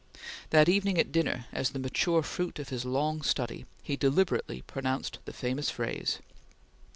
That evening at dinner, as the mature fruit of his long study, he deliberately pronounced the famous phrase